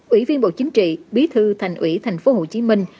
ủy viên bộ chính trị bí thư thành ủy thành phố hồ chí minh